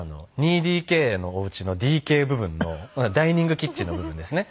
２ＤＫのお家のＤＫ部分のダイニングキッチンの部分ですね。